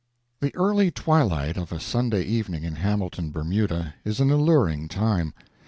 The early twilight of a Sunday evening in Hamilton, Bermuda, is an alluring time.